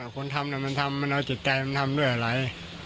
คนทำมันทำมันเอาจิตใจมันทำด้วยอะไร